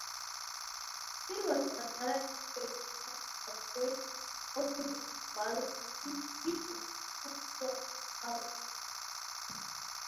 It was another indication of her expression of individuality, which continued throughout her life.